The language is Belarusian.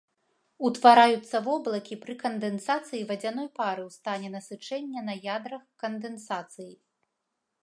Утвараюцца воблакі пры кандэнсацыі вадзяной пары ў стане насычэння на ядрах кандэнсацыі.